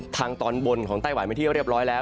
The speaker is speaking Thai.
ทางตอนบนของไต้หวันมาที่เรียบร้อยแล้ว